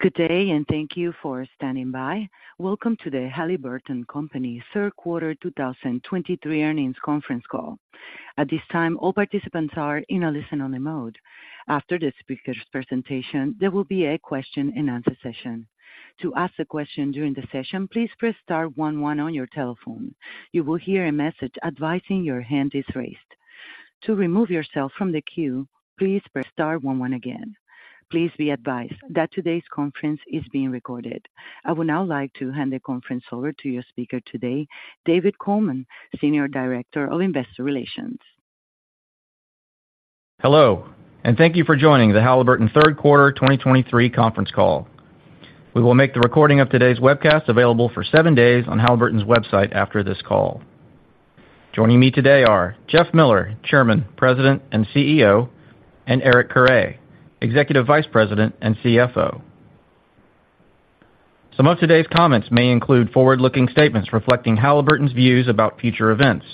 Good day, and thank you for standing by. Welcome to the Halliburton Company Third Quarter 2023 Earnings Conference call. At this time, all participants are in a listen-only mode. After the speaker's presentation, there will be a question-and-answer session. To ask a question during the session, please press star one one on your telephone. You will hear a message advising your hand is raised. To remove yourself from the queue, please press star one one again. Please be advised that today's conference is being recorded. I would now like to hand the conference over to your speaker today, David Coleman, Senior Director of Investor Relations. Hello, and thank you for joining the Halliburton Third Quarter 2023 Conference Call. We will make the recording of today's webcast available for seven days on Halliburton's website after this call. Joining me today are Jeff Miller, Chairman, President, and CEO, and Eric Carre, Executive Vice President and CFO. Some of today's comments may include forward-looking statements reflecting Halliburton's views about future events.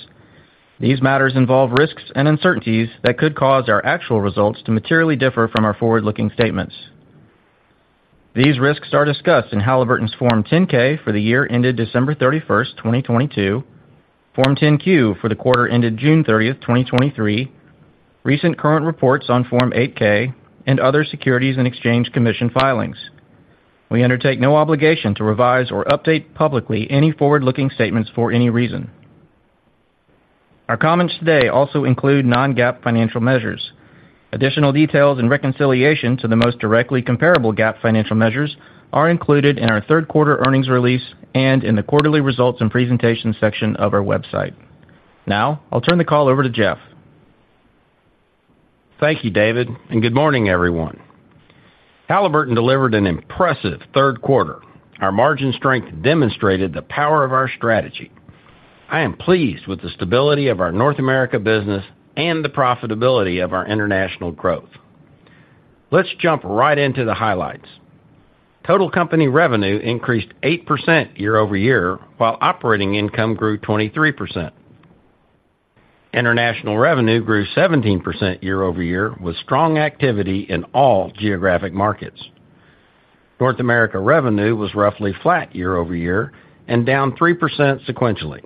These matters involve risks and uncertainties that could cause our actual results to materially differ from our forward-looking statements. These risks are discussed in Halliburton's Form 10-K for the year ended December 31, 2022, Form 10-Q for the quarter ended June 30, 2023, recent current reports on Form 8-K, and other Securities and Exchange Commission filings. We undertake no obligation to revise or update publicly any forward-looking statements for any reason. Our comments today also include non-GAAP financial measures. Additional details and reconciliation to the most directly comparable GAAP financial measures are included in our third quarter earnings release and in the quarterly results and presentation section of our website. Now, I'll turn the call over to Jeff. Thank you, David, and good morning, everyone. Halliburton delivered an impressive third quarter. Our margin strength demonstrated the power of our strategy. I am pleased with the stability of our North America business and the profitability of our international growth. Let's jump right into the highlights. Total company revenue increased 8% year-over-year, while operating income grew 23%. International revenue grew 17% year-over-year, with strong activity in all geographic markets. North America revenue was roughly flat year-over-year and down 3% sequentially.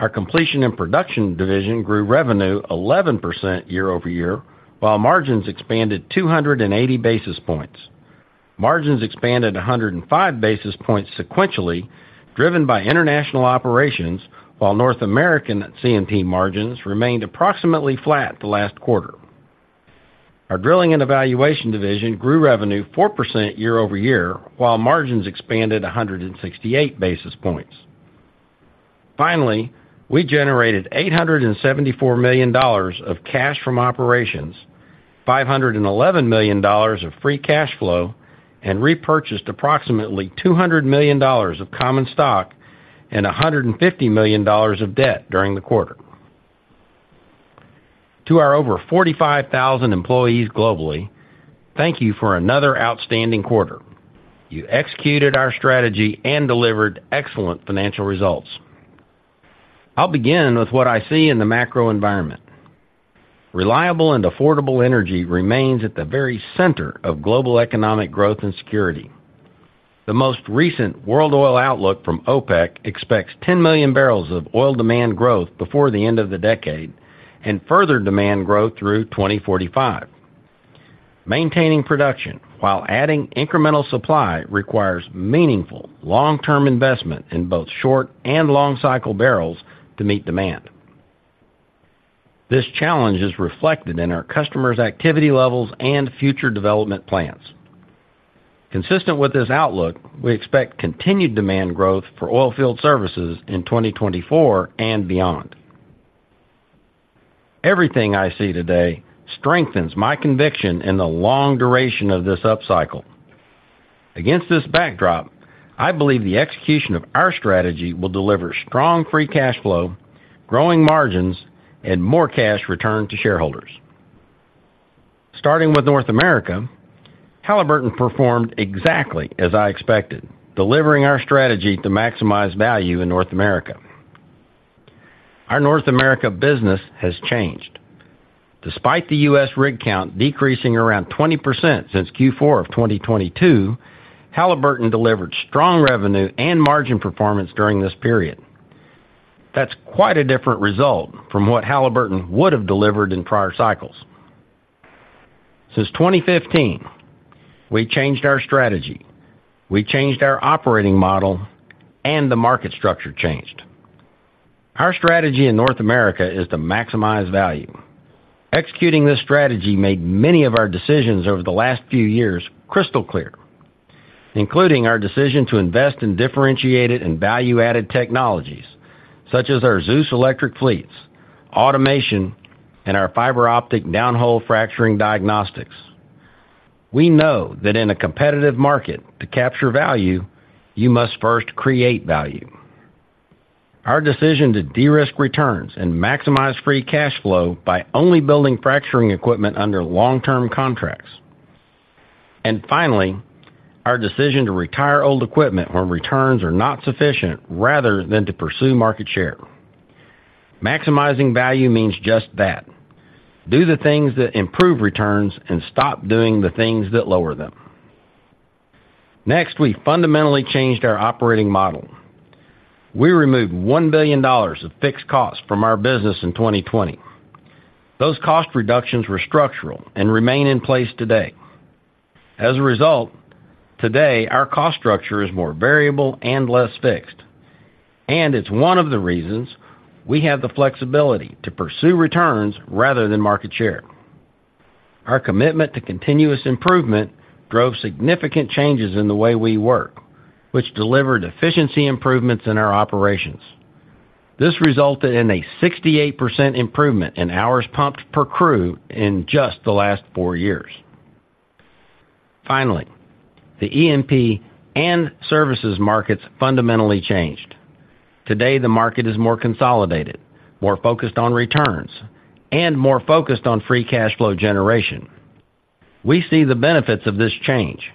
Our completion and production division grew revenue 11% year-over-year, while margins expanded 280 basis points. Margins expanded 105 basis points sequentially, driven by international operations, while North American C&P margins remained approximately flat the last quarter. Our drilling and evaluation division grew revenue 4% year-over-year, while margins expanded 168 basis points. Finally, we generated $874 million of cash from operations, $511 million of free cash flow, and repurchased approximately $200 million of common stock and $150 million of debt during the quarter. To our over 45,000 employees globally, thank you for another outstanding quarter. You executed our strategy and delivered excellent financial results. I'll begin with what I see in the macro environment. Reliable and affordable energy remains at the very center of global economic growth and security. The most recent world oil outlook from OPEC expects 10 million barrels of oil demand growth before the end of the decade and further demand growth through 2045. Maintaining production while adding incremental supply requires meaningful, long-term investment in both short and long-cycle barrels to meet demand. This challenge is reflected in our customers' activity levels and future development plans. Consistent with this outlook, we expect continued demand growth for oil field services in 2024 and beyond. Everything I see today strengthens my conviction in the long duration of this upcycle. Against this backdrop, I believe the execution of our strategy will deliver strong free cash flow, growing margins, and more cash returned to shareholders. Starting with North America, Halliburton performed exactly as I expected, delivering our strategy to maximize value in North America. Our North America business has changed. Despite the U.S. rig count decreasing around 20% since Q4 of 2022, Halliburton delivered strong revenue and margin performance during this period. That's quite a different result from what Halliburton would have delivered in prior cycles. Since 2015, we changed our strategy, we changed our operating model, and the market structure changed. Our strategy in North America is to maximize value. Executing this strategy made many of our decisions over the last few years crystal clear, including our decision to invest in differentiated and value-added technologies, such as our Zeus electric fleets, automation, and our fiber optic downhole fracturing diagnostics. We know that in a competitive market, to capture value, you must first create value. Our decision to de-risk returns and maximize free cash flow by only building fracturing equipment under long-term contracts. And finally, our decision to retire old equipment when returns are not sufficient rather than to pursue market share. Maximizing value means just that. Do the things that improve returns and stop doing the things that lower them. Next, we fundamentally changed our operating model. We removed $1 billion of fixed costs from our business in 2020. Those cost reductions were structural and remain in place today. As a result, today, our cost structure is more variable and less fixed, and it's one of the reasons we have the flexibility to pursue returns rather than market share. Our commitment to continuous improvement drove significant changes in the way we work, which delivered efficiency improvements in our operations. This resulted in a 68% improvement in hours pumped per crew in just the last four years. Finally, the E&P and services markets fundamentally changed. Today, the market is more consolidated, more focused on returns, and more focused on free cash flow generation. We see the benefits of this change.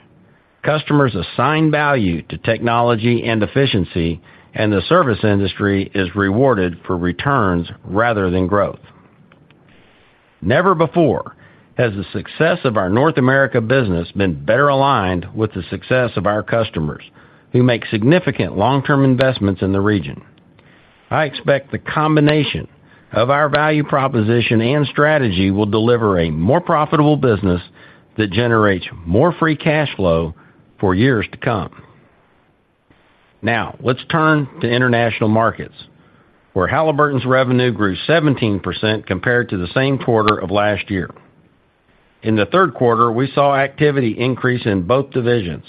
Customers assign value to technology and efficiency, and the service industry is rewarded for returns rather than growth. Never before has the success of our North America business been better aligned with the success of our customers, who make significant long-term investments in the region. I expect the combination of our value proposition and strategy will deliver a more profitable business that generates more free cash flow for years to come. Now, let's turn to International Markets, where Halliburton's revenue grew 17% compared to the same quarter of last year. In the third quarter, we saw activity increase in both divisions,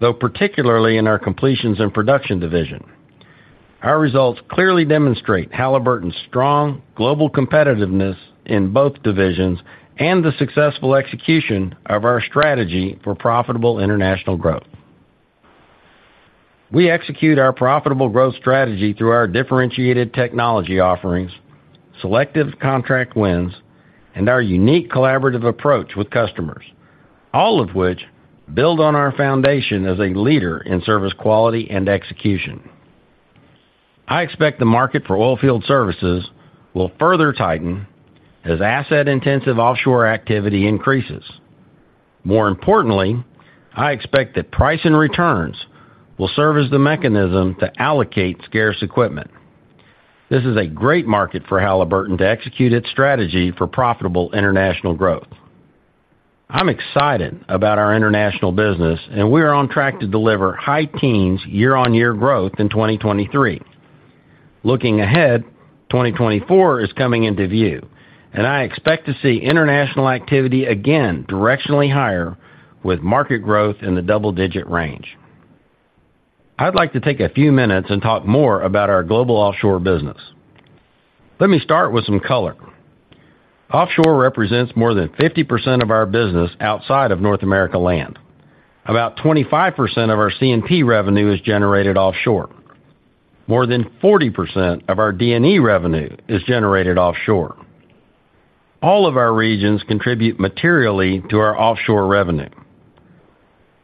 though particularly in our completions and production division. Our results clearly demonstrate Halliburton's strong global competitiveness in both divisions and the successful execution of our strategy for profitable international growth. We execute our profitable growth strategy through our differentiated technology offerings, selective contract wins, and our unique collaborative approach with customers, all of which build on our foundation as a leader in service, quality, and execution. I expect the market for oil field services will further tighten as asset-intensive offshore activity increases. More importantly, I expect that price and returns will serve as the mechanism to allocate scarce equipment. This is a great market for Halliburton to execute its strategy for profitable international growth. I'm excited about our international business, and we are on track to deliver high teens year-on-year growth in 2023. Looking ahead, 2024 is coming into view, and I expect to see international activity again directionally higher with market growth in the double-digit range. I'd like to take a few minutes and talk more about our global offshore business. Let me start with some color. Offshore represents more than 50% of our business outside of North America land. About 25% of our C&P revenue is generated offshore. More than 40% of our D&E revenue is generated offshore. All of our regions contribute materially to our offshore revenue.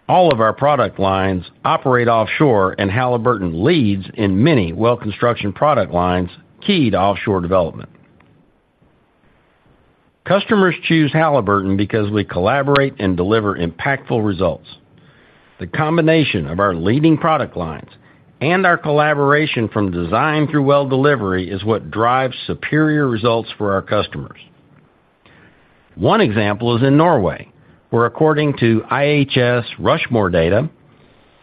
All of our product lines operate offshore, and Halliburton leads in many well construction product lines keyed to offshore development. Customers choose Halliburton because we collaborate and deliver impactful results. The combination of our leading product lines and our collaboration from design through well delivery is what drives superior results for our customers. One example is in Norway, where, according to IHS Rushmore data,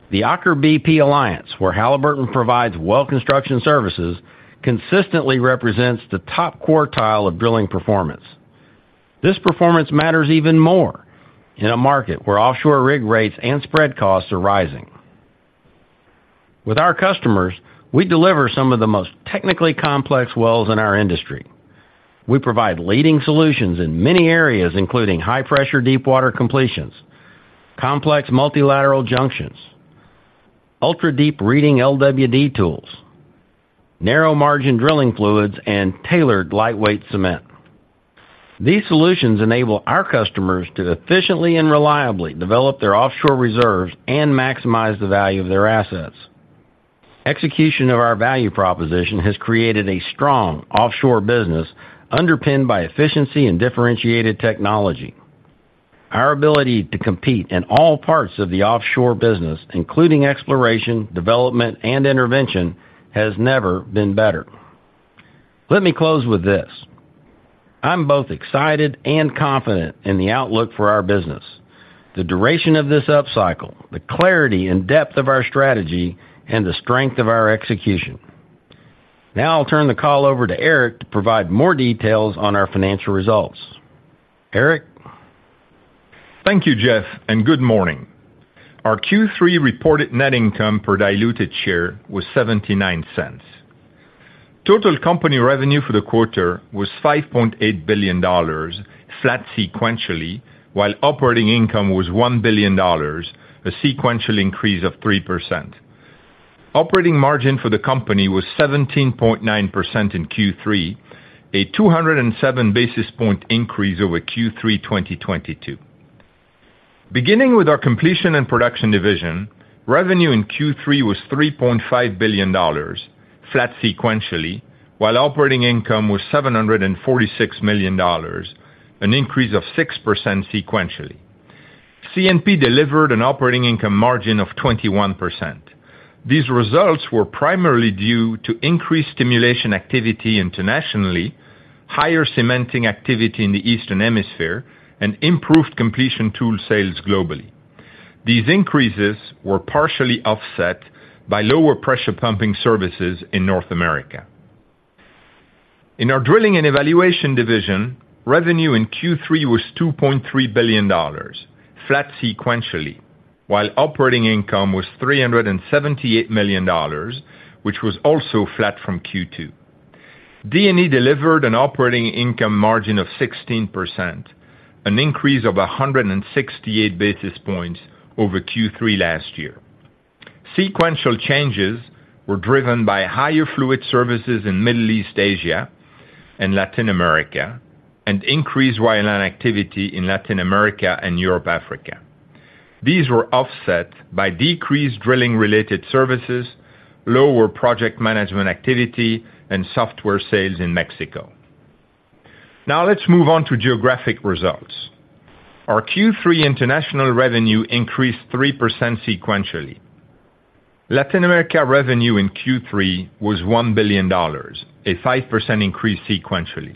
the Aker BP Alliance, where Halliburton provides well-construction services, consistently represents the top quartile of drilling performance. This performance matters even more in a market where offshore rig rates and spread costs are rising. With our customers, we deliver some of the most technically complex wells in our industry. We provide leading solutions in many areas, including high-pressure, deepwater completions, complex multilateral junctions, ultra-deep reading LWD tools, narrow margin drilling fluids, and tailored lightweight cement. These solutions enable our customers to efficiently and reliably develop their offshore reserves and maximize the value of their assets. Execution of our value proposition has created a strong offshore business, underpinned by efficiency and differentiated technology. Our ability to compete in all parts of the offshore business, including exploration, development, and intervention, has never been better. Let me close with this: I'm both excited and confident in the outlook for our business, the duration of this upcycle, the clarity and depth of our strategy, and the strength of our execution. Now, I'll turn the call over to Eric to provide more details on our financial results. Eric? Thank you, Jeff, and good morning. Our Q3 reported net income per diluted share was $0.79. Total company revenue for the quarter was $5.8 billion, flat sequentially, while operating income was $1 billion, a sequential increase of 3%. Operating margin for the company was 17.9% in Q3, a 207 basis point increase over Q3 2022. Beginning with our Completion and Production division, revenue in Q3 was $3.5 billion, flat sequentially, while operating income was $746 million, an increase of 6% sequentially. C&P delivered an operating income margin of 21%. These results were primarily due to increased stimulation activity internationally, higher cementing activity in the Eastern Hemisphere, and improved completion tool sales globally. These increases were partially offset by lower pressure pumping services in North America. In our drilling and evaluation division, revenue in Q3 was $2.3 billion, flat sequentially, while operating income was $378 million, which was also flat from Q2. D&E delivered an operating income margin of 16%, an increase of 168 basis points over Q3 last year. Sequential changes were driven by higher fluid services in Middle East, Asia, and Latin America, and increased wireline activity in Latin America and Europe, Africa. These were offset by decreased drilling-related services, lower project management activity, and software sales in Mexico. Now let's move on to geographic results. Our Q3 international revenue increased 3% sequentially. Latin America revenue in Q3 was $1 billion, a 5% increase sequentially.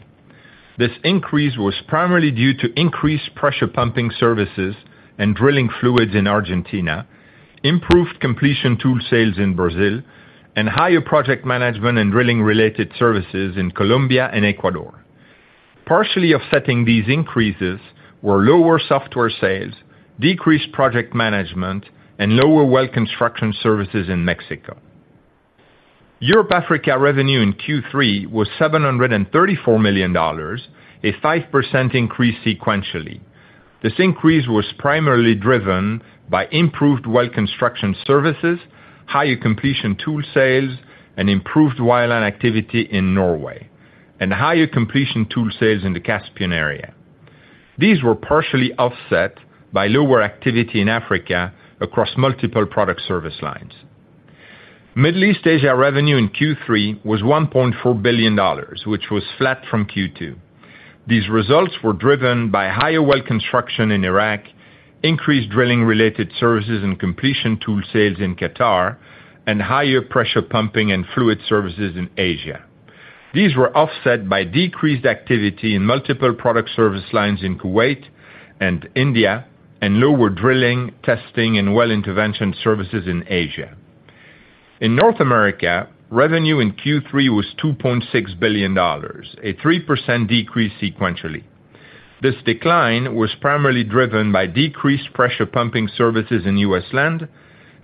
This increase was primarily due to increased pressure pumping services and drilling fluids in Argentina, improved completion tool sales in Brazil, and higher project management and drilling-related services in Colombia and Ecuador. Partially offsetting these increases were lower software sales, decreased project management, and lower well construction services in Mexico. Europe, Africa revenue in Q3 was $734 million, a 5% increase sequentially. This increase was primarily driven by improved well construction services, higher completion tool sales, and improved wireline activity in Norway, and higher completion tool sales in the Caspian area. These were partially offset by lower activity in Africa across multiple product service lines. Middle East, Asia revenue in Q3 was $1.4 billion, which was flat from Q2. These results were driven by higher well construction in Iraq, increased drilling-related services and completion tool sales in Qatar, and higher pressure pumping and fluid services in Asia. These were offset by decreased activity in multiple product service lines in Kuwait and India, and lower drilling, testing, and well intervention services in Asia. In North America, revenue in Q3 was $2.6 billion, a 3% decrease sequentially. This decline was primarily driven by decreased pressure pumping services in U.S. land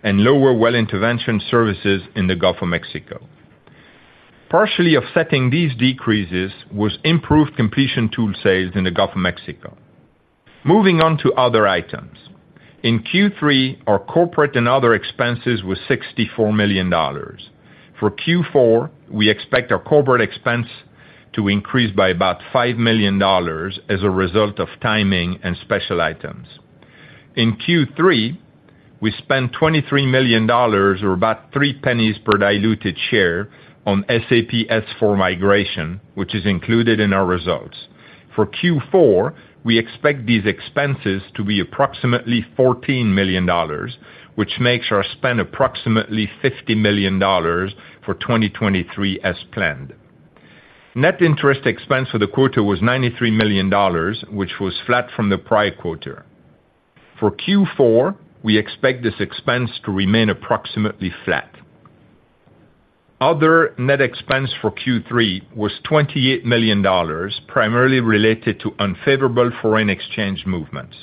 and lower well intervention services in the Gulf of Mexico. Partially offsetting these decreases was improved completion tool sales in the Gulf of Mexico. Moving on to other items. In Q3, our corporate and other expenses were $64 million. For Q4, we expect our corporate expense to increase by about $5 million as a result of timing and special items. In Q3, we spent $23 million or about $0.03 per diluted share on SAP S/4 migration, which is included in our results. For Q4, we expect these expenses to be approximately $14 million, which makes our spend approximately $50 million for 2023 as planned. Net interest expense for the quarter was $93 million, which was flat from the prior quarter. For Q4, we expect this expense to remain approximately flat. Other net expense for Q3 was $28 million, primarily related to unfavorable foreign exchange movements.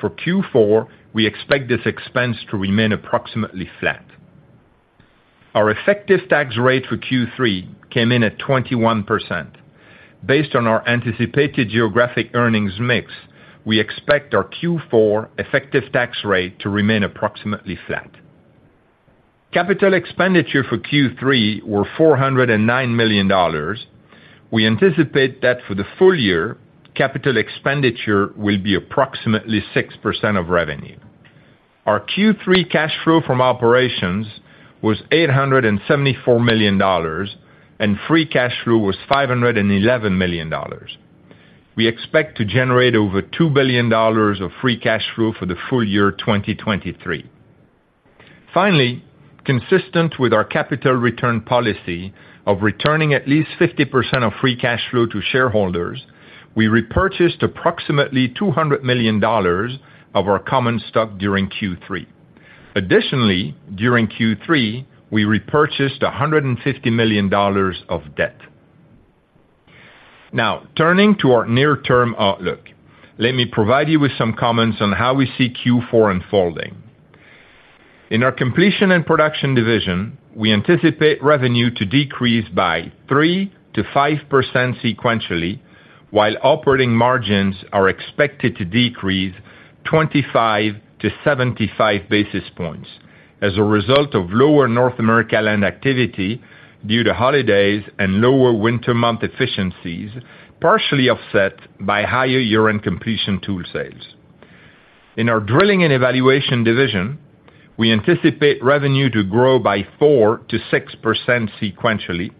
For Q4, we expect this expense to remain approximately flat. Our effective tax rate for Q3 came in at 21%. Based on our anticipated geographic earnings mix, we expect our Q4 effective tax rate to remain approximately flat. Capital expenditure for Q3 were $409 million. We anticipate that for the full year, capital expenditure will be approximately 6% of revenue. Our Q3 cash flow from operations was $874 million, and free cash flow was $511 million. We expect to generate over $2 billion of free cash flow for the full year 2023. Finally, consistent with our capital return policy of returning at least 50% of free cash flow to shareholders, we repurchased approximately $200 million of our common stock during Q3. Additionally, during Q3, we repurchased $150 million of debt. Now, turning to our near-term outlook, let me provide you with some comments on how we see Q4 unfolding. In our completion and production division, we anticipate revenue to decrease by 3%-5% sequentially, while operating margins are expected to decrease 25-75 basis points as a result of lower North America land activity due to holidays and lower winter month efficiencies, partially offset by higher international completion tool sales. In our drilling and evaluation division, we anticipate revenue to grow by 4%-6% sequentially,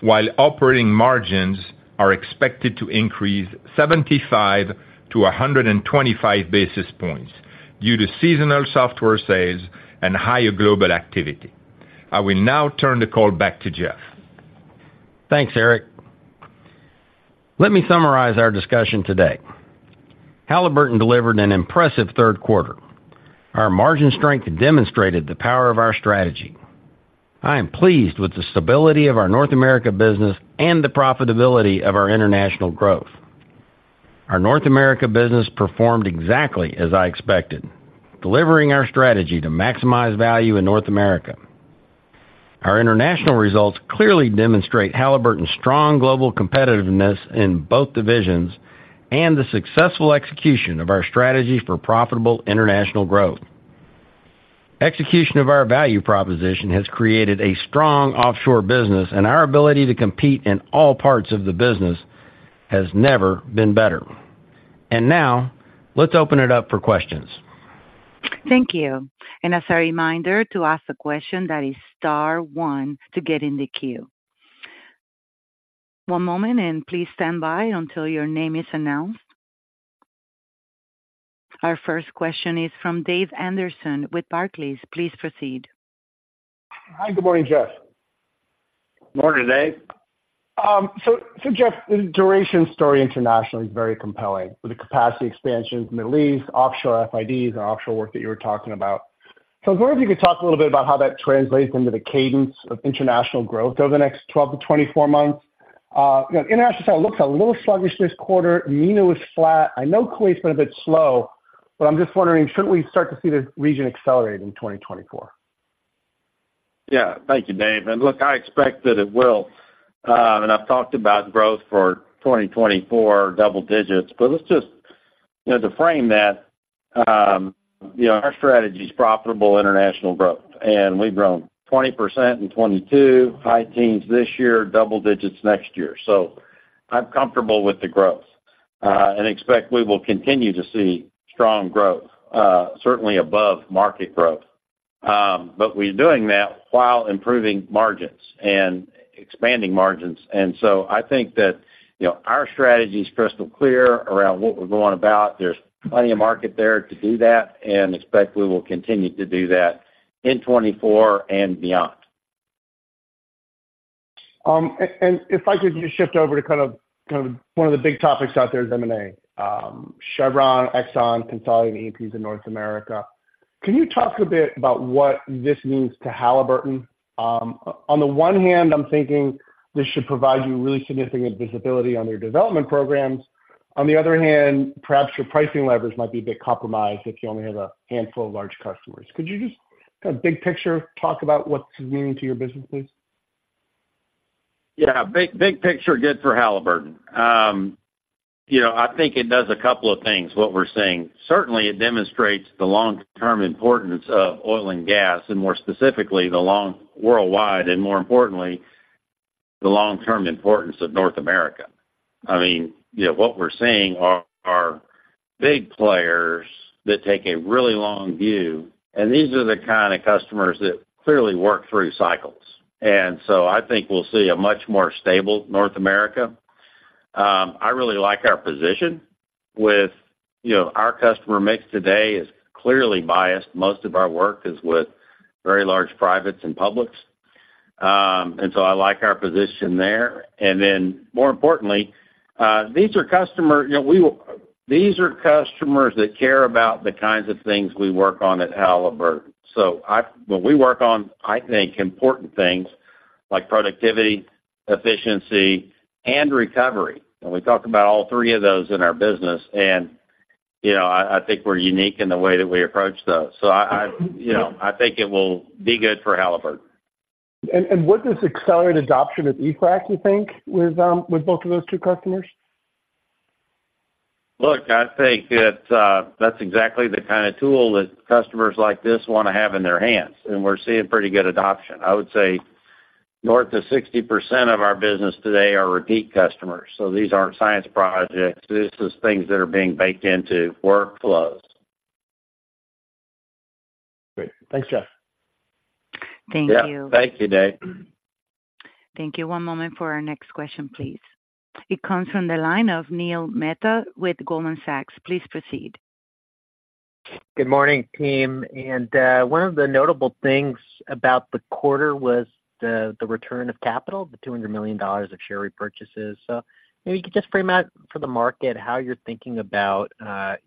while operating margins are expected to increase 75-125 basis points due to seasonal software sales and higher global activity. I will now turn the call back to Jeff. Thanks, Eric. Let me summarize our discussion today. Halliburton delivered an impressive third quarter. Our margin strength demonstrated the power of our strategy. I am pleased with the stability of our North America business and the profitability of our international growth. Our North America business performed exactly as I expected, delivering our strategy to maximize value in North America. Our international results clearly demonstrate Halliburton's strong global competitiveness in both divisions and the successful execution of our strategy for profitable international growth. Execution of our value proposition has created a strong offshore business, and our ability to compete in all parts of the business has never been better. Now, let's open it up for questions. Thank you. And as a reminder, to ask a question, that is star one to get in the queue. One moment, and please stand by until your name is announced. Our first question is from David Anderson with Barclays. Please proceed. Hi, good morning, Jeff. Morning, Dave. So, so Jeff, the duration story internationally is very compelling, with the capacity expansion in the Middle East, offshore FIDs and offshore work that you were talking about. So I was wondering if you could talk a little bit about how that translates into the cadence of international growth over the next 12-24 months. You know, international side looks a little sluggish this quarter. MENA was flat. I know Kuwait's been a bit slow, but I'm just wondering, shouldn't we start to see the region accelerate in 2024? Yeah. Thank you, Dave. And look, I expect that it will. And I've talked about growth for 2024, double digits, but let's just, you know, to frame that, you know, our strategy is profitable international growth, and we've grown 20% in 2022, high teens this year, double digits next year. So I'm comfortable with the growth, and expect we will continue to see strong growth, certainly above market growth. But we're doing that while improving margins and expanding margins. And so I think that, you know, our strategy is crystal clear around what we're going about. There's plenty of market there to do that, and expect we will continue to do that in 2024 and beyond. And if I could just shift over to kind of one of the big topics out there is M&A. Chevron, Exxon, consolidating EPs in North America. Can you talk a bit about what this means to Halliburton? On the one hand, I'm thinking this should provide you really significant visibility on your development programs. On the other hand, perhaps your pricing leverage might be a bit compromised if you only have a handful of large customers. Could you just kind of big picture talk about what this means to your business, please? Yeah. Big, big picture, good for Halliburton. You know, I think it does a couple of things, what we're seeing. Certainly, it demonstrates the long-term importance of oil and gas, and more specifically, the long—worldwide, and more importantly, the long-term importance of North America. I mean, you know, what we're seeing are big players that take a really long view, and these are the kind of customers that clearly work through cycles. And so I think we'll see a much more stable North America. I really like our position with, you know, our customer mix today is clearly biased. Most of our work is with very large privates and publics. And so I like our position there. And then, more importantly, these are customers, you know, we—these are customers that care about the kinds of things we work on at Halliburton. So, well, we work on, I think, important things like productivity, efficiency, and recovery. And we talk about all three of those in our business. And, you know, I think we're unique in the way that we approach those. So, you know, I think it will be good for Halliburton. Would this accelerate adoption of eFrac, you think, with both of those two customers? Look, I think that, that's exactly the kind of tool that customers like this want to have in their hands, and we're seeing pretty good adoption. I would say north of 60% of our business today are repeat customers. So these aren't science projects. This is things that are being baked into workflows. Great. Thanks, Jeff. Thank you. Yeah. Thank you, Dave. Thank you. One moment for our next question, please. It comes from the line of Neil Mehta with Goldman Sachs. Please proceed. Good morning, team. One of the notable things about the quarter was the return of capital, the $200 million of share repurchases. So maybe you could just frame out for the market how you're thinking about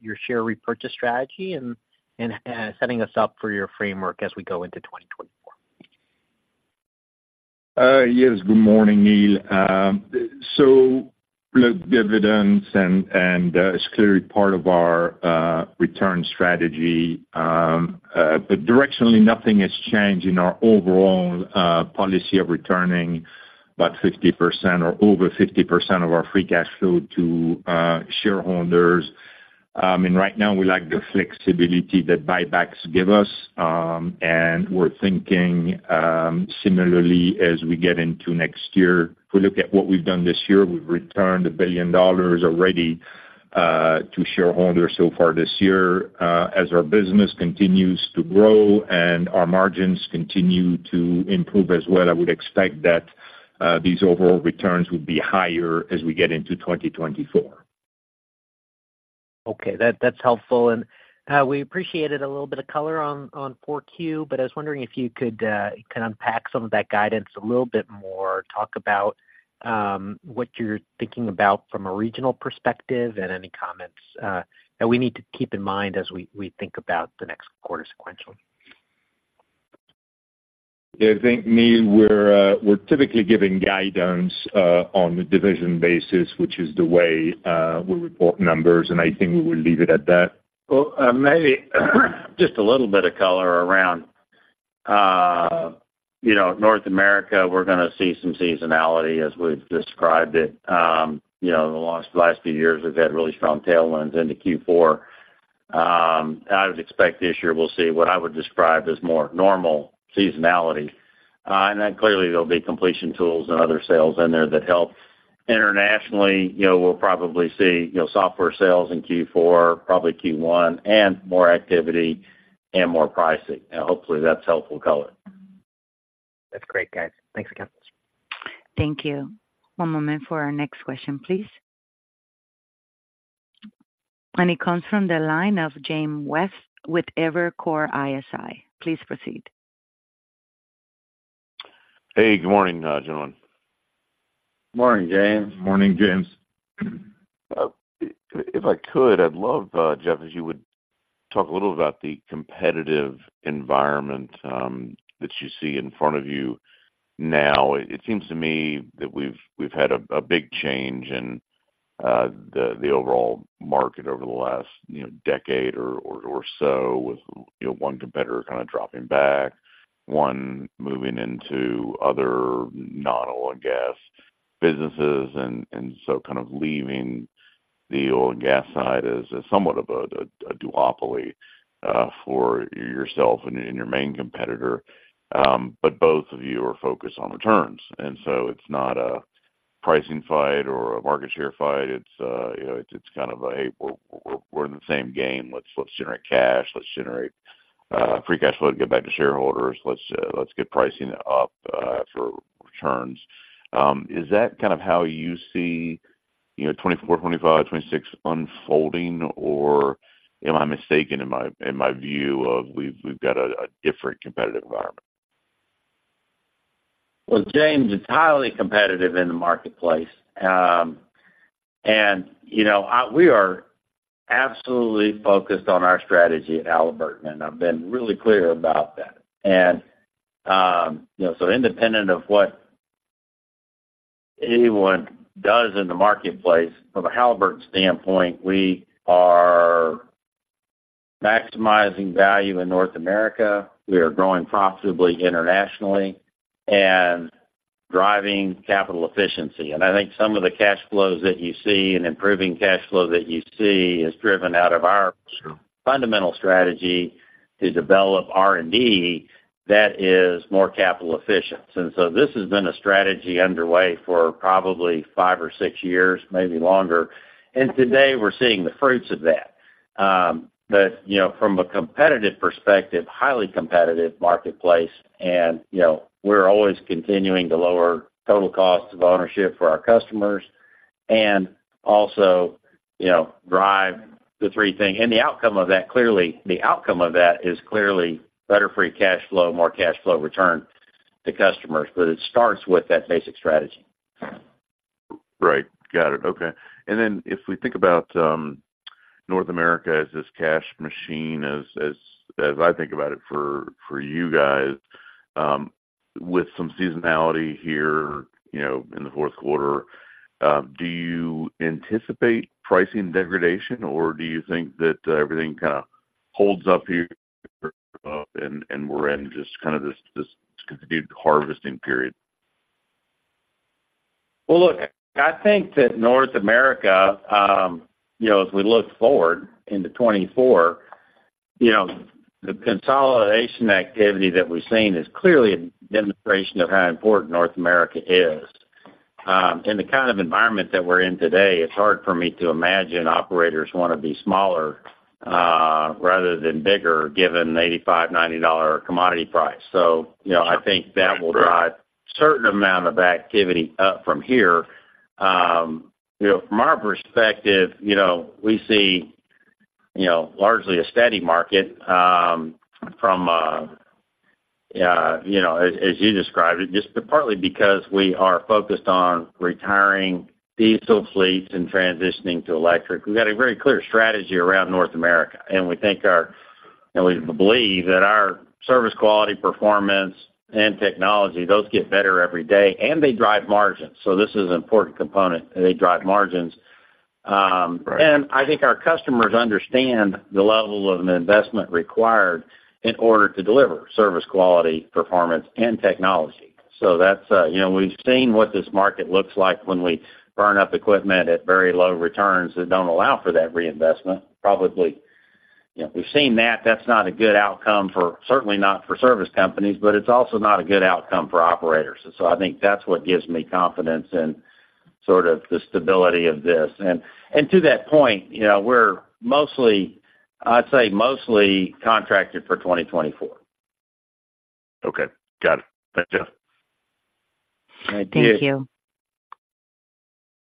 your share repurchase strategy and setting us up for your framework as we go into 2024. Yes, good morning, Neil. Look, dividends and is clearly part of our return strategy. But directionally, nothing has changed in our overall policy of returning about 50% or over 50% of our free cash flow to shareholders. And right now, we like the flexibility that buybacks give us. And we're thinking, similarly as we get into next year. If we look at what we've done this year, we've returned $1 billion already, to shareholders so far this year. As our business continues to grow and our margins continue to improve as well, I would expect that, these overall returns would be higher as we get into 2024. Okay, that, that's helpful. And, we appreciated a little bit of color on Q4, but I was wondering if you could kind of unpack some of that guidance a little bit more, talk about what you're thinking about from a regional perspective and any comments that we need to keep in mind as we think about the next quarter sequentially. Yeah, I think, Neil, we're typically giving guidance on a division basis, which is the way we report numbers, and I think we will leave it at that. Well, maybe, just a little bit of color around, you know, North America, we're gonna see some seasonality as we've described it. You know, the last, last few years, we've had really strong tailwinds into Q4. I would expect this year we'll see what I would describe as more normal seasonality. And then clearly, there'll be completion tools and other sales in there that help. Internationally, you know, we'll probably see, you know, software sales in Q4, probably Q1, and more activity and more pricing. Now, hopefully, that's helpful color. That's great, guys. Thanks again. Thank you. One moment for our next question, please. It comes from the line of James West with Evercore ISI. Please proceed. Hey, good morning, gentlemen. Morning, James. Morning, James. If I could, I'd love, Jeff, if you would talk a little about the competitive environment that you see in front of you now. It seems to me that we've had a big change in the overall market over the last, you know, decade or so, with, you know, one competitor kind of dropping back, one moving into other non-oil and gas businesses, and so kind of leaving the oil and gas side as somewhat of a duopoly for yourself and your main competitor. But both of you are focused on returns, and so it's not a pricing fight or a market share fight. It's, you know, it's kind of a, "Hey, we're in the same game. Let's generate cash. Let's generate free cash flow to get back to shareholders. Let's, let's get pricing up for returns." Is that kind of how you see, you know, 2024, 2025, 2026 unfolding, or am I mistaken in my, in my view of we've, we've got a, a different competitive environment? Well, James, it's highly competitive in the marketplace. You know, we are absolutely focused on our strategy at Halliburton, and I've been really clear about that. You know, so independent of what anyone does in the marketplace, from a Halliburton standpoint, we are maximizing value in North America. We are growing profitably internationally and driving capital efficiency. I think some of the cash flows that you see, and improving cash flow that you see, is driven out of our fundamental strategy to develop R&D that is more capital efficient. So this has been a strategy underway for probably five or six years, maybe longer, and today, we're seeing the fruits of that. You know, from a competitive perspective, highly competitive marketplace and, you know, we're always continuing to lower total cost of ownership for our customers and also, you know, drive the three things. The outcome of that, clearly, the outcome of that is clearly better free cash flow, more cash flow return to customers, but it starts with that basic strategy. Right. Got it. Okay. And then, if we think about North America as this cash machine, as I think about it for you guys, with some seasonality here, you know, in the fourth quarter, do you anticipate pricing degradation, or do you think that everything kinda holds up here, and we're in just kind of this continued harvesting period? Well, look, I think that North America, you know, as we look forward into 2024, you know, the consolidation activity that we've seen is clearly a demonstration of how important North America is. In the kind of environment that we're in today, it's hard for me to imagine operators wanna be smaller, rather than bigger, given $85-$90 commodity price. So, you know, I think that will drive certain amount of activity up from here. You know, from our perspective, you know, we see, you know, largely a steady market, from a, you know, as you described it, just partly because we are focused on retiring diesel fleets and transitioning to electric. We've got a very clear strategy around North America, and we think our and we believe that our service, quality, performance, and technology, those get better every day, and they drive margins. So this is an important component, and they drive margins. And I think our customers understand the level of investment required in order to deliver service, quality, performance, and technology. So that's, you know, we've seen what this market looks like when we burn up equipment at very low returns that don't allow for that reinvestment. Probably, you know, we've seen that, that's not a good outcome for, certainly not for service companies, but it's also not a good outcome for operators. So I think that's what gives me confidence in sort of the stability of this. And to that point, you know, we're mostly, I'd say, mostly contracted for 2024. Okay, got it. Thank you. All right, thank you. Thank you.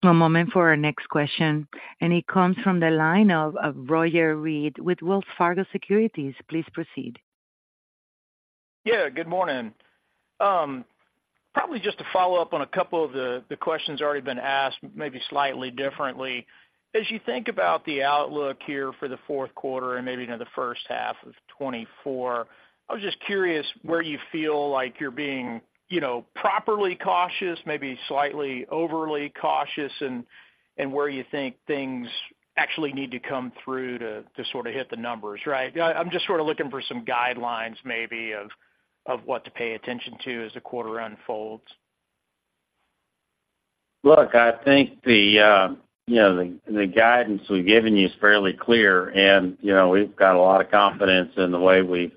One moment for our next question, and it comes from the line of Roger Read with Wells Fargo Securities. Please proceed. Yeah, good morning. Probably just to follow up on a couple of the questions already been asked, maybe slightly differently. As you think about the outlook here for the Q4 and maybe into the first half of 2024, I was just curious where you feel like you're being, you know, properly cautious, maybe slightly overly cautious, and where you think things actually need to come through to sort of hit the numbers, right? I'm just sort of looking for some guidelines, maybe, of what to pay attention to as the quarter unfolds. Look, I think the, you know, the guidance we've given you is fairly clear, and, you know, we've got a lot of confidence in the way we've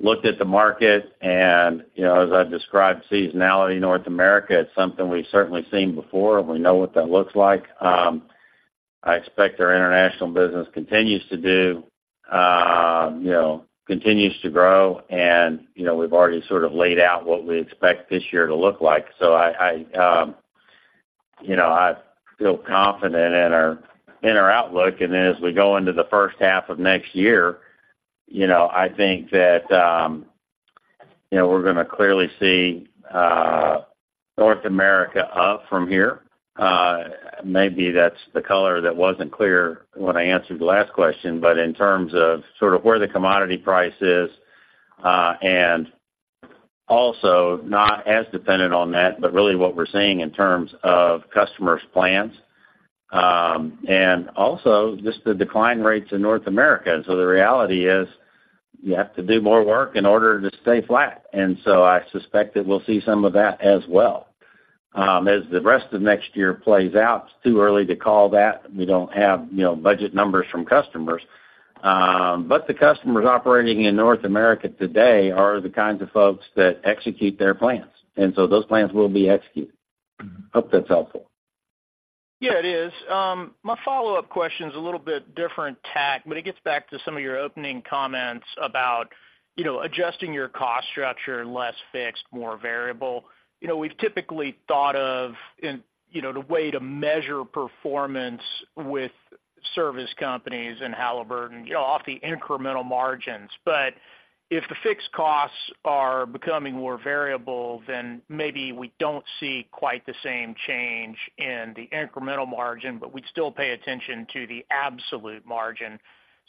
looked at the market. And, you know, as I've described, seasonality in North America is something we've certainly seen before, and we know what that looks like. I expect our international business continues to do, you know, continues to grow, and, you know, we've already sort of laid out what we expect this year to look like. So I, I, you know, I feel confident in our, in our outlook. And then as we go into the first half of next year, you know, I think that, you know, we're gonna clearly see, North America up from here. Maybe that's the color that wasn't clear when I answered the last question, but in terms of sort of where the commodity price is, and also not as dependent on that, but really what we're seeing in terms of customers' plans, and also just the decline rates in North America. So the reality is, you have to do more work in order to stay flat. And so I suspect that we'll see some of that as well. As the rest of next year plays out, it's too early to call that. We don't have, you know, budget numbers from customers, but the customers operating in North America today are the kinds of folks that execute their plans, and so those plans will be executed. Hope that's helpful. Yeah, it is. My follow-up question is a little bit different tack, but it gets back to some of your opening comments about, you know, adjusting your cost structure, less fixed, more variable. You know, we've typically thought of in, you know, the way to measure performance with service companies and Halliburton, you know, off the incremental margins. But if the fixed costs are becoming more variable, then maybe we don't see quite the same change in the incremental margin, but we'd still pay attention to the absolute margin.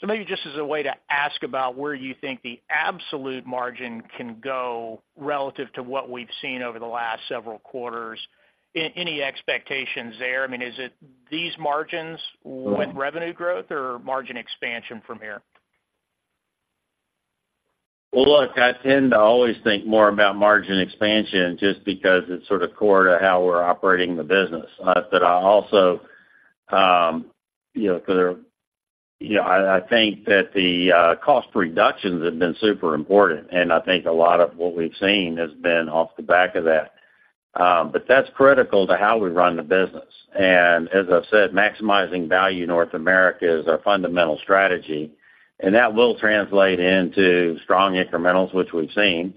So maybe just as a way to ask about where you think the absolute margin can go relative to what we've seen over the last several quarters. Any expectations there? I mean, is it these margins with revenue growth or margin expansion from here? Well, look, I tend to always think more about margin expansion just because it's sort of core to how we're operating the business. But I also, you know, I think that the cost reductions have been super important, and I think a lot of what we've seen has been off the back of that. But that's critical to how we run the business. And as I've said, maximizing value in North America is our fundamental strategy, and that will translate into strong incrementals, which we've seen.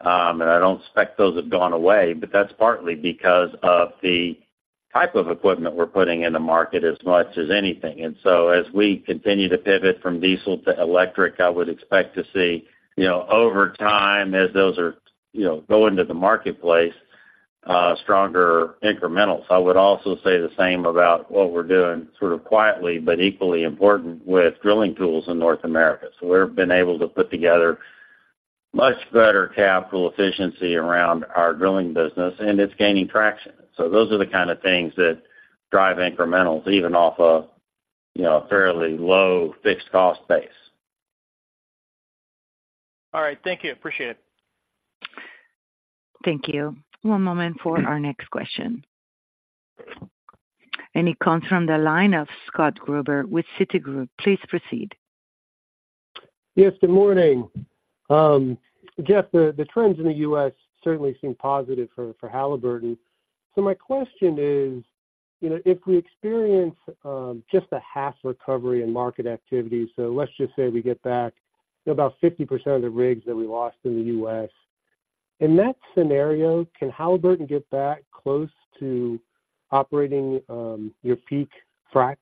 And I don't expect those have gone away, but that's partly because of the type of equipment we're putting in the market as much as anything. So as we continue to pivot from diesel to electric, I would expect to see, you know, over time, as those are, you know, go into the marketplace, stronger incrementals. I would also say the same about what we're doing sort of quietly, but equally important, with drilling tools in North America. So we've been able to put together much better capital efficiency around our drilling business, and it's gaining traction. So those are the kind of things that drive incrementals, even off a, you know, fairly low fixed cost base. All right. Thank you. Appreciate it. Thank you. One moment for our next question. It comes from the line of Scott Gruber with Citigroup. Please proceed. Yes, good morning. Jeff, the trends in the U.S. certainly seem positive for Halliburton. So my question is, you know, if we experience just a half recovery in market activity, so let's just say we get back to about 50% of the rigs that we lost in the U.S. In that scenario, can Halliburton get back close to operating your peak frac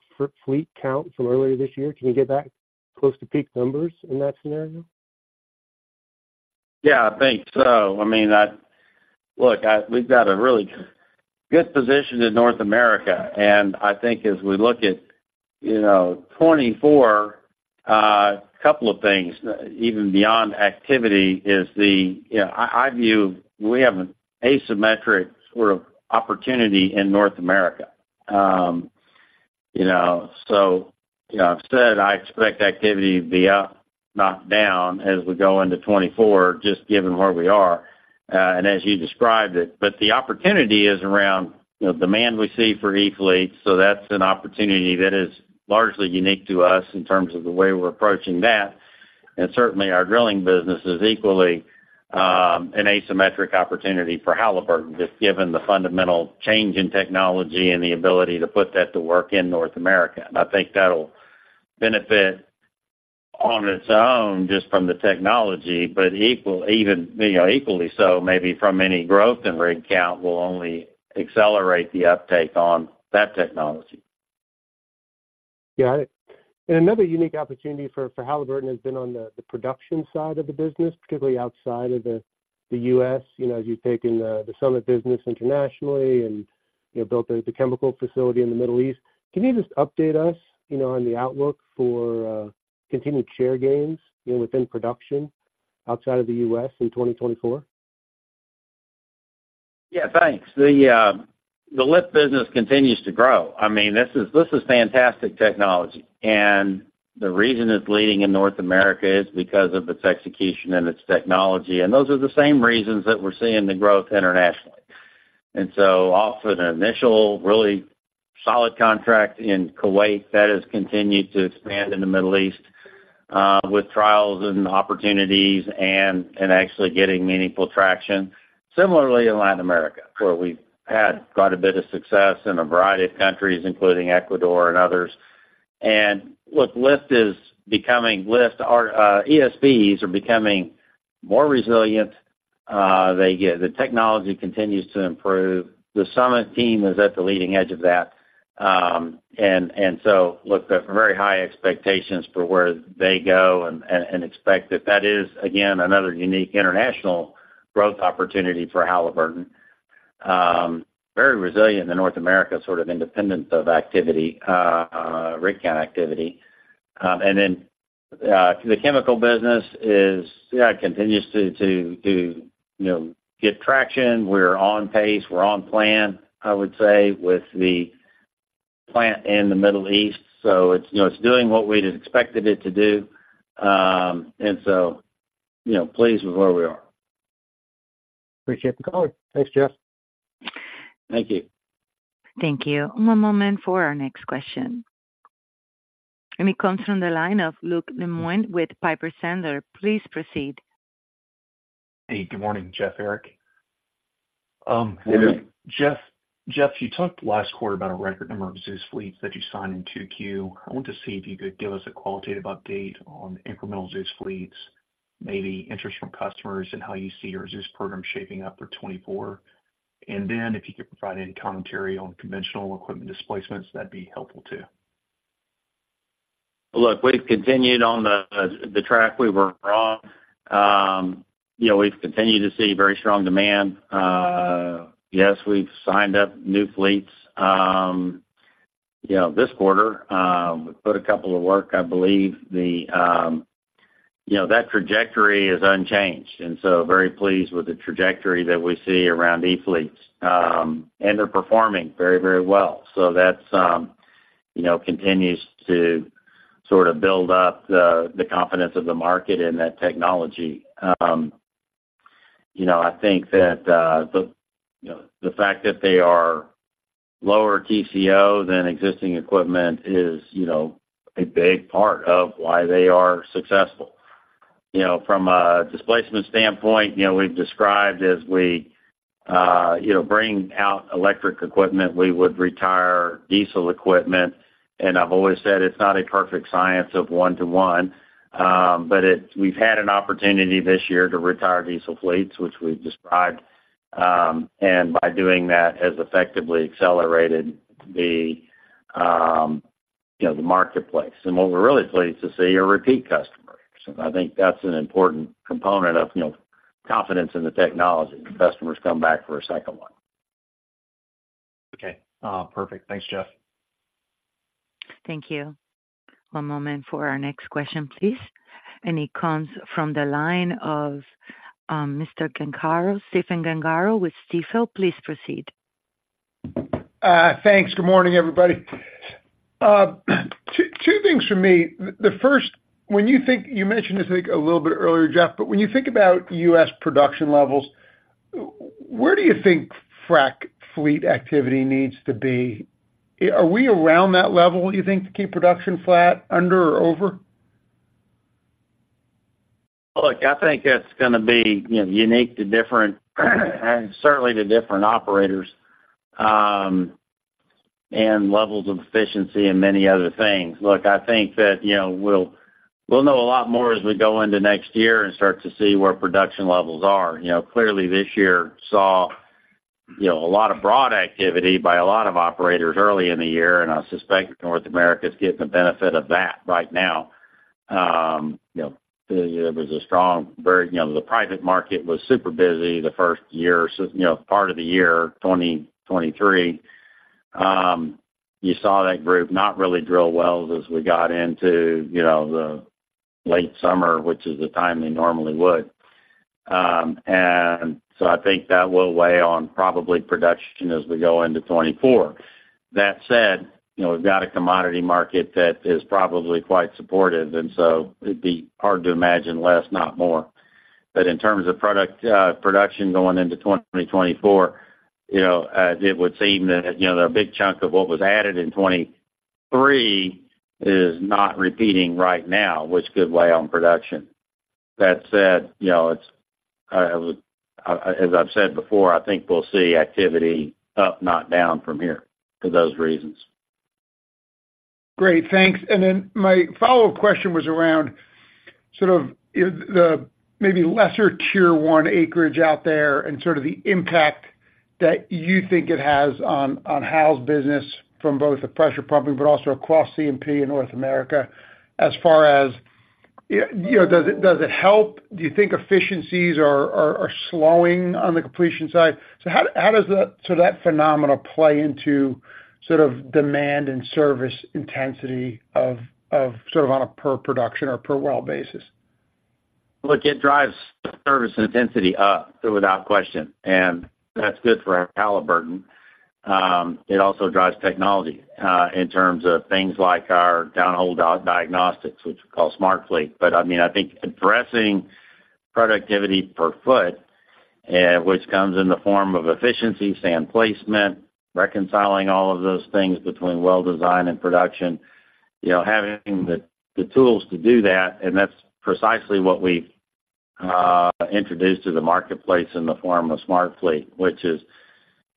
fleet count from earlier this year? Can you get back close to peak numbers in that scenario? Yeah, I think so. I mean, Look, we've got a really good position in North America, and I think as we look at, you know, 2024, couple of things, even beyond activity, is the, you know, I view we have an asymmetric sort of opportunity in North America. You know, so, you know, I've said I expect activity to be up, not down, as we go into 2024, just given where we are, and as you described it. But the opportunity is around, you know, demand we see for E-fleet. So that's an opportunity that is largely unique to us in terms of the way we're approaching that. And certainly, our drilling business is equally, an asymmetric opportunity for Halliburton, just given the fundamental change in technology and the ability to put that to work in North America. I think that'll benefit on its own, just from the technology, but equal, even, you know, equally so, maybe from any growth in rig count, will only accelerate the uptake on that technology. Got it. Another unique opportunity for Halliburton has been on the production side of the business, particularly outside of the U.S., you know, as you've taken the Summit business internationally and, you know, built the chemical facility in the Middle East. Can you just update us, you know, on the outlook for continued share gains, you know, within production outside of the U.S. in 2024? Yeah, thanks. The Lift business continues to grow. I mean, this is fantastic technology, and the reason it's leading in North America is because of its execution and its technology, and those are the same reasons that we're seeing the growth internationally. And so off to an initial, really solid contract in Kuwait, that has continued to expand in the Middle East, with trials and opportunities and actually getting meaningful traction. Similarly, in Latin America, where we've had quite a bit of success in a variety of countries, including Ecuador and others. And look, Lift is becoming Lift. Our ESPs are becoming more resilient. The technology continues to improve. The Summit team is at the leading edge of that. And so look, there very high expectations for where they go and expect that that is, again, another unique international growth opportunity for Halliburton. Very resilient in North America, sort of independent of activity, rig count activity. And then the chemical business is, yeah, continues to you know get traction. We're on pace, we're on plan, I would say, with the plant in the Middle East. So it's you know it's doing what we'd expected it to do. And so you know pleased with where we are. Appreciate the call. Thanks, Jeff. Thank you. Thank you. One moment for our next question, and it comes from the line of Luke Lemoine with Piper Sandler. Please proceed. Hey, good morning, Jeff, Eric. Good morning. Jeff, Jeff, you talked last quarter about a record number of Zeus fleets that you signed in Q2. I want to see if you could give us a qualitative update on incremental Zeus fleets, maybe interest from customers, and how you see your Zeus program shaping up for 2024. And then if you could provide any commentary on conventional equipment displacements, that'd be helpful, too. Look, we've continued on the track we were on. You know, we've continued to see very strong demand. Yes, we've signed up new fleets. You know, this quarter, we put a couple of work. I believe that trajectory is unchanged, and so very pleased with the trajectory that we see around E-fleets. And they're performing very, very well. So that's, you know, continues to sort of build up the confidence of the market in that technology. You know, I think that the fact that they are lower TCO than existing equipment is a big part of why they are successful. You know, from a displacement standpoint, you know, we've described as we bring out electric equipment, we would retire diesel equipment. I've always said it's not a perfect science of one to one, but we've had an opportunity this year to retire diesel fleets, which we've described. And by doing that, has effectively accelerated the, you know, the marketplace. And what we're really pleased to see are repeat customers, and I think that's an important component of, you know, confidence in the technology. The customers come back for a second one. Okay, perfect. Thanks, Jeff. Thank you. One moment for our next question, please, and it comes from the line of Mr. Gengaro, Stephen Gengaro with Stifel. Please proceed. Thanks. Good morning, everybody. Two things for me. The first, when you think—you mentioned this, I think, a little bit earlier, Jeff, but when you think about U.S. production levels, where do you think frac fleet activity needs to be? Are we around that level, you think, to keep production flat, under or over? Look, I think it's gonna be, you know, unique to different, and certainly to different operators, and levels of efficiency and many other things. Look, I think that, you know, we'll, we'll know a lot more as we go into next year and start to see where production levels are. You know, clearly, this year saw, you know, a lot of broad activity by a lot of operators early in the year, and I suspect North America's getting the benefit of that right now. You know, it was a strong, very, you know, the private market was super busy the first year, so, you know, part of the year, 2023. You saw that group not really drill wells as we got into, you know, the late summer, which is the time they normally would... And so I think that will weigh on probably production as we go into 2024. That said, you know, we've got a commodity market that is probably quite supportive, and so it'd be hard to imagine less, not more. But in terms of product, production going into 2024, you know, it would seem that, you know, a big chunk of what was added in 2023 is not repeating right now, which could weigh on production. That said, you know, it's, as I've said before, I think we'll see activity up, not down from here for those reasons. Great, thanks. And then my follow-up question was around sort of the maybe lesser Tier One acreage out there and sort of the impact that you think it has on Hal's business from both the pressure pumping, but also across C&P in North America, as far as you know, does it help? Do you think efficiencies are slowing on the completion side? So how does that phenomena play into sort of demand and service intensity of sort of on a per production or per well basis? Look, it drives service intensity up, so without question, and that's good for our Halliburton. It also drives technology in terms of things like our downhole diagnostics, which we call SmartFleet. But, I mean, I think addressing productivity per foot, which comes in the form of efficiency, sand placement, reconciling all of those things between well design and production, you know, having the tools to do that, and that's precisely what we introduced to the marketplace in the form of SmartFleet, which is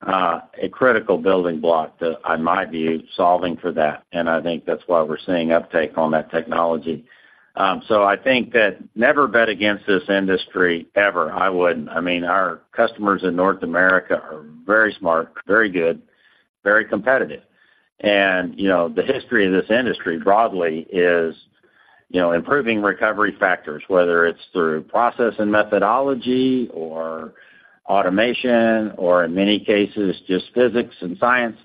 a critical building block to, on my view, solving for that. And I think that's why we're seeing uptake on that technology. So I think that never bet against this industry, ever. I wouldn't. I mean, our customers in North America are very smart, very good, very competitive. You know, the history of this industry broadly is, you know, improving recovery factors, whether it's through process and methodology or automation, or in many cases, just physics and science.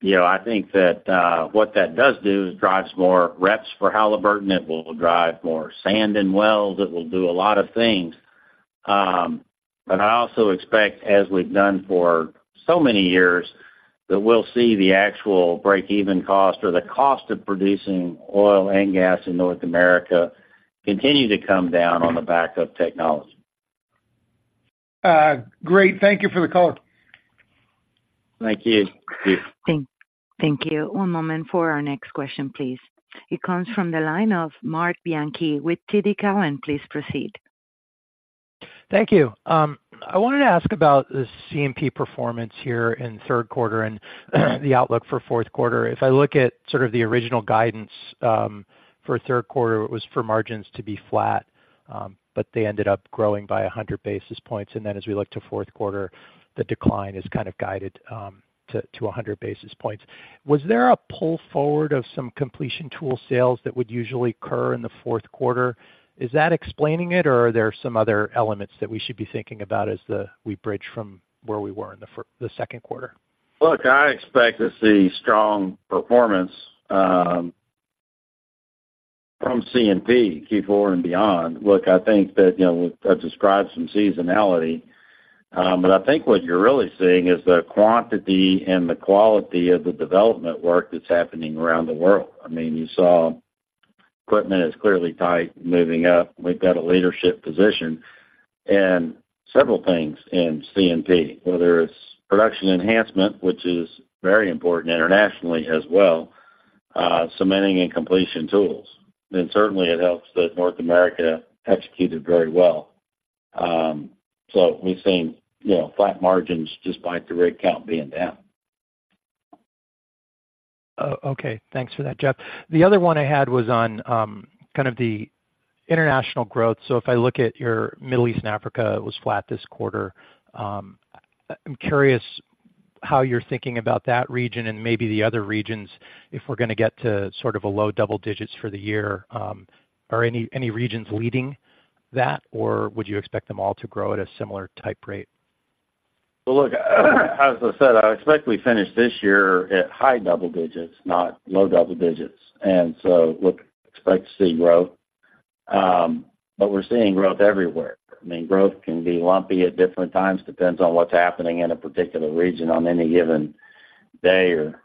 You know, I think that what that does do is drives more reps for Halliburton. It will drive more sand in wells. It will do a lot of things. But I also expect, as we've done for so many years, that we'll see the actual break-even cost or the cost of producing oil and gas in North America, continue to come down on the back of technology. Great. Thank you for the call. Thank you. Thank you. One moment for our next question, please. It comes from the line of Marc Bianchi with TD Cowen. Please proceed. Thank you. I wanted to ask about the C&P performance here in the third quarter and the outlook for fourth quarter. If I look at sort of the original guidance for Q3, it was for margins to be flat, but they ended up growing by 100 basis points. And then as we look to Q4, the decline is kind of guided to 100 basis points. Was there a pull forward of some completion tool sales that would usually occur in the Q4? Is that explaining it, or are there some other elements that we should be thinking about as we bridge from where we were in the Q2? Look, I expect to see strong performance from C&P, Q4 and beyond. Look, I think that, you know, I've described some seasonality, but I think what you're really seeing is the quantity and the quality of the development work that's happening around the world. I mean, you saw equipment is clearly tight, moving up. We've got a leadership position and several things in C&P, whether it's production enhancement, which is very important internationally as well, cementing and completion tools. Then certainly it helps that North America executed very well. So we've seen, you know, flat margins just by the rig count being down. Oh, okay. Thanks for that, Jeff. The other one I had was on kind of the international growth. So if I look at your Middle East and Africa, it was flat this quarter. I'm curious how you're thinking about that region and maybe the other regions, if we're gonna get to sort of a low double digits for the year, are any regions leading that, or would you expect them all to grow at a similar type rate? Well, look, as I said, I expect we finish this year at high double digits, not low double digits, and so look, expect to see growth. But we're seeing growth everywhere. I mean, growth can be lumpy at different times, depends on what's happening in a particular region on any given day or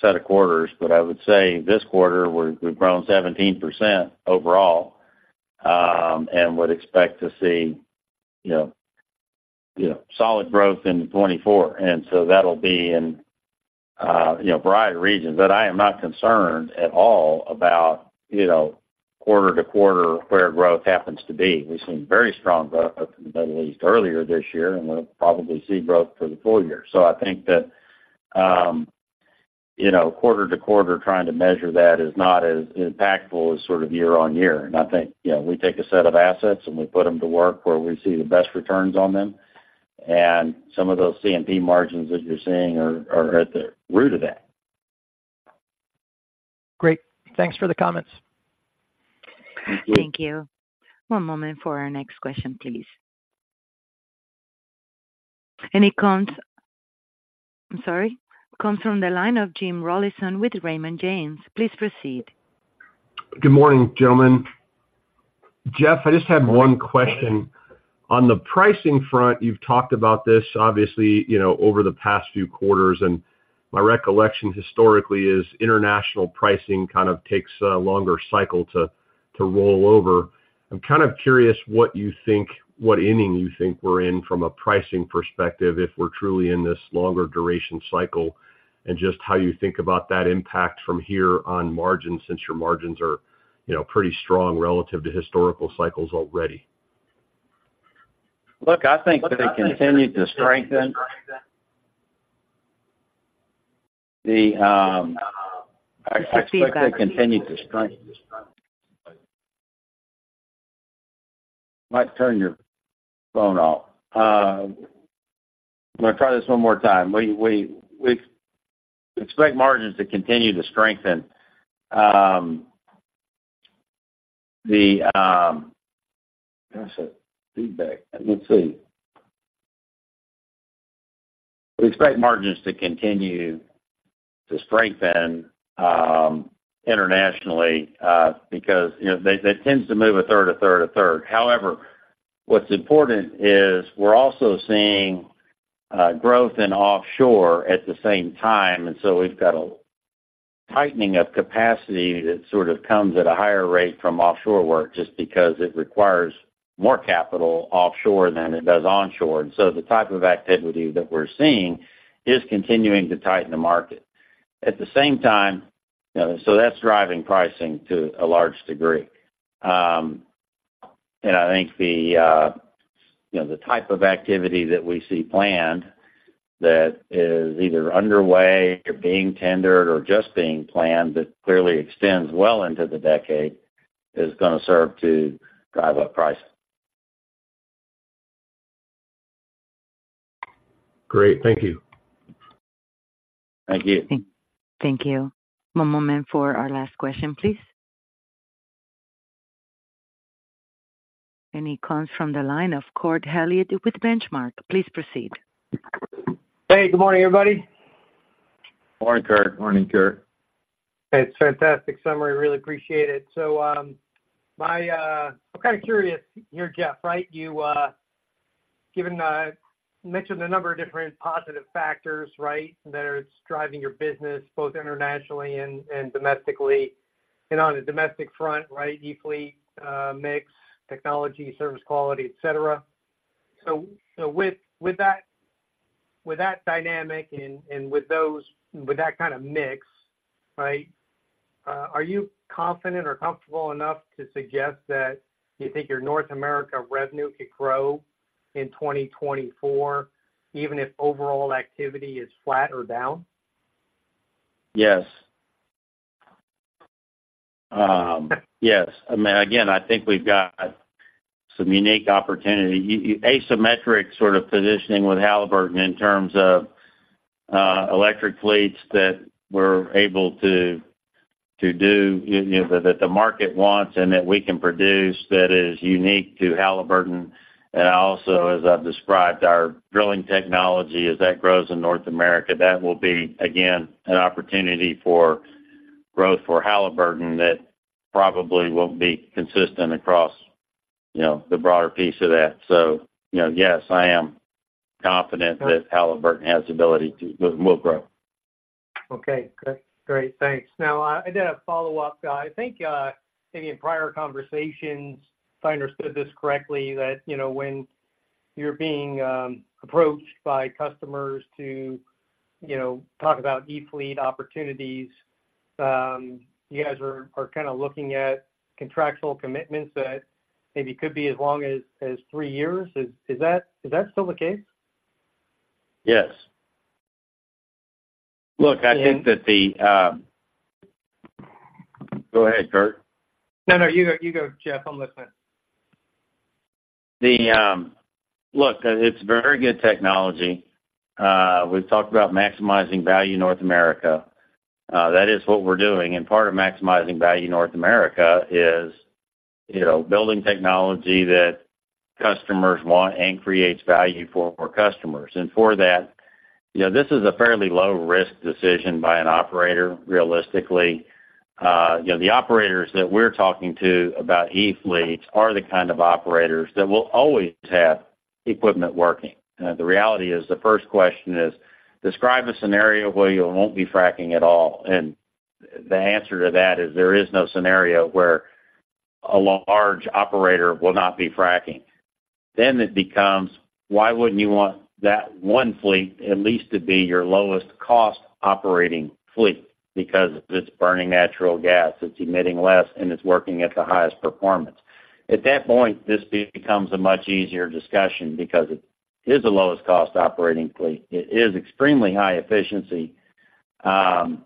set of quarters. But I would say this quarter, we've grown 17% overall, and would expect to see, you know, you know, solid growth into 2024. And so that'll be in, you know, a variety of regions. But I am not concerned at all about, you know, quarter to quarter, where growth happens to be. We've seen very strong growth in the Middle East earlier this year, and we'll probably see growth for the full year. So I think that, you know, quarter-to-quarter, trying to measure that is not as impactful as sort of year-on-year. And I think, you know, we take a set of assets, and we put them to work where we see the best returns on them. And some of those C&P margins that you're seeing are at the root of that. Great. Thanks for the comments. Thank you. Thank you. One moment for our next question, please. And it comes, I'm sorry, comes from the line of Jim Rollyson with Raymond James. Please proceed. Good morning, gentlemen. Jeff, I just have one question. On the pricing front, you've talked about this, obviously, you know, over the past few quarters, and my recollection historically is international pricing kind of takes a longer cycle to roll over. I'm kind of curious what you think, what inning you think we're in from a pricing perspective, if we're truly in this longer duration cycle, and just how you think about that impact from here on margins, since your margins are, you know, pretty strong relative to historical cycles already. Look, I think that it continued to strengthen. The I expect it to continue to strengthen. You might turn your phone off. I'm gonna try this one more time. We expect margins to continue to strengthen. The that's a feedback. Let's see. We expect margins to continue to strengthen internationally, because, you know, they tends to move a third, a third, a third. However, what's important is we're also seeing growth in offshore at the same time, and so we've got a tightening of capacity that sort of comes at a higher rate from offshore work, just because it requires more capital offshore than it does onshore. And so the type of activity that we're seeing is continuing to tighten the market. At the same time, you know, so that's driving pricing to a large degree. I think the, you know, the type of activity that we see planned, that is either underway or being tendered or just being planned, that clearly extends well into the decade, is gonna serve to drive up prices. Great. Thank you. Thank you. Thank you. One moment for our last question, please. It comes from the line of Kurt Hallead with Benchmark. Please proceed. Hey, good morning, everybody. Morning, Kurt. Morning, Kurt. It's a fantastic summary. Really appreciate it. So, I'm kind of curious here, Jeff, right? You given mentioned a number of different positive factors, right? That it's driving your business both internationally and domestically, and on the domestic front, right, E-fleet mix, technology, service, quality, et cetera. So, with that dynamic and with that kind of mix, right, are you confident or comfortable enough to suggest that you think your North America revenue could grow in 2024, even if overall activity is flat or down? Yes. Yes. I mean, again, I think we've got some unique opportunity. Asymmetric sort of positioning with Halliburton in terms of electric fleets that we're able to do, you know, that, that the market wants and that we can produce that is unique to Halliburton. And also, as I've described, our drilling technology, as that grows in North America, that will be, again, an opportunity for growth for Halliburton. That probably won't be consistent across, you know, the broader piece of that. So, you know, yes, I am confident that Halliburton has the ability to, will, will grow. Okay, good. Great, thanks. Now, I did a follow-up. I think, maybe in prior conversations, if I understood this correctly, that, you know, when you're being approached by customers to, you know, talk about E-fleet opportunities, you guys are kind of looking at contractual commitments that maybe could be as long as three years. Is that still the case? Yes. Look, I think that the. Go ahead, Kurt. No, no, you go, you go, Jeff. I'm listening. Look, it's very good technology. We've talked about maximizing value in North America. That is what we're doing, and part of maximizing value in North America is, you know, building technology that customers want and creates value for our customers. And for that, you know, this is a fairly low-risk decision by an operator, realistically. You know, the operators that we're talking to about E-fleets are the kind of operators that will always have equipment working. The reality is, the first question is: describe a scenario where you won't be fracking at all? And the answer to that is there is no scenario where a large operator will not be fracking. Then it becomes, why wouldn't you want that one fleet at least to be your lowest cost operating fleet? Because it's burning natural gas, it's emitting less, and it's working at the highest performance. At that point, this becomes a much easier discussion because it is the lowest cost operating fleet, it is extremely high efficiency, and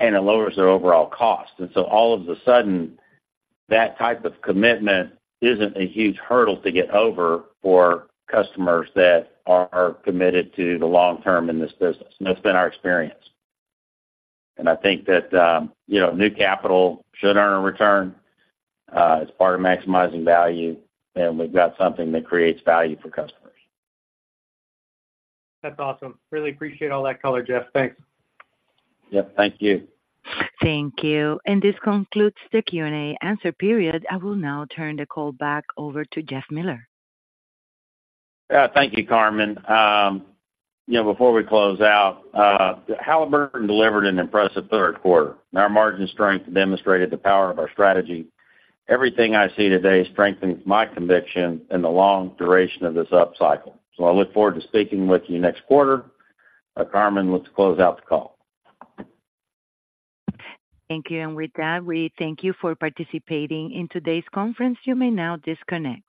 it lowers their overall cost. And so all of a sudden, that type of commitment isn't a huge hurdle to get over for customers that are committed to the long term in this business. And that's been our experience. And I think that, you know, new capital should earn a return, as part of maximizing value, and we've got something that creates value for customers. That's awesome. Really appreciate all that color, Jeff. Thanks. Yep, thank you. Thank you. This concludes the Q&A answer period. I will now turn the call back over to Jeff Miller. Thank you, Carmen. You know, before we close out, Halliburton delivered an impressive third quarter. Our margin strength demonstrated the power of our strategy. Everything I see today strengthens my conviction in the long duration of this upcycle. So I look forward to speaking with you next quarter. Carmen, let's close out the call. Thank you. With that, we thank you for participating in today's conference. You may now disconnect.